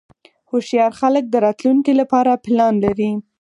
هوښیار خلک د راتلونکې لپاره پلان لري.